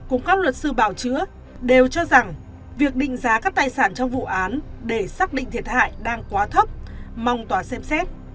cùng các luật sư bảo chữa đều cho rằng việc định giá các tài sản trong vụ án để xác định thiệt hại đang quá thấp mong tòa xem xét